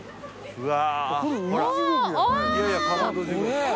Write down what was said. うわ！